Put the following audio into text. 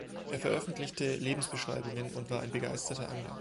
Er veröffentlichte Lebensbeschreibungen und war ein begeisterter Angler.